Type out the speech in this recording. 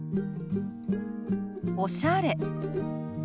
「おしゃれ」。